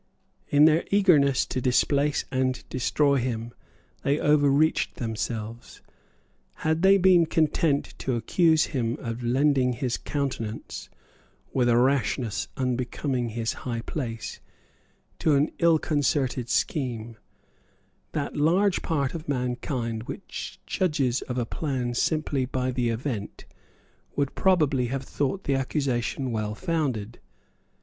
In their eagerness to displace and destroy him they overreached themselves. Had they been content to accuse him of lending his countenance, with a rashness unbecoming his high place, to an illconcerted scheme, that large part of mankind which judges of a plan simply by the event would probably have thought the accusation well founded.